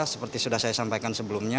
seperti sudah saya sampaikan sebelumnya